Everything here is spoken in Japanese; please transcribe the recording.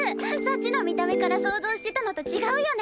幸の見た目から想像してたのと違うよね。